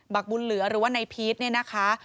ักบุญเหลือหรือว่านายพีชเนี่ยนะคะ